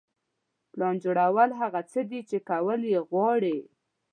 پلان جوړول هغه څه دي چې کول یې غواړئ.